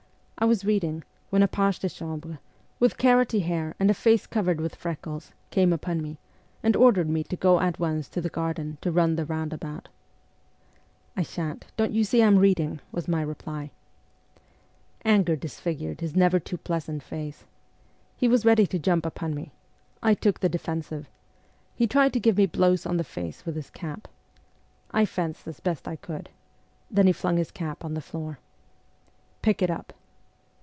I was reading, when a page de chambre, with carroty hair and a face covered with freckles, came upon me, and ordered me to go at once to the garden to run the roundabout. ' I sha'n't ; don't you see I am reading,' was my reply. Anger disfigured his never too pleasant face. He was ready to jump upon me. I took the defensive. He tried to give me blows on the face with his cap. I fenced as best I could. Then he flung his cap on the floor. ' Pick it up.'